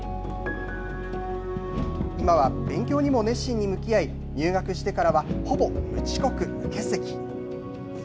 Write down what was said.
今は勉強にも熱心に向き合い入学してからはほぼ無遅刻、無欠席。